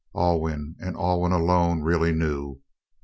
Alwyn, and Alwyn alone, really knew.